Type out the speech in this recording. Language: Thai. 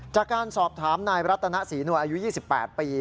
จากการสอบถามนายรัตนศรีนวลอายุ๒๘ปี